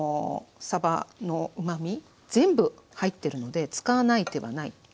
さばのうまみ全部入ってるので使わない手はない。